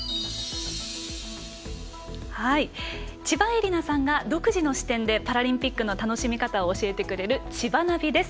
千葉絵里菜さんが独自の視点でパラリンピックの楽しみ方を教えてくれる「ちばナビ」です。